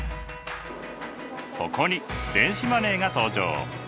そこに電子マネーが登場。